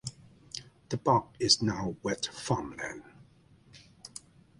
The bog is now wet farmland.